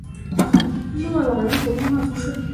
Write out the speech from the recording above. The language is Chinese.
勒朗人口变化图示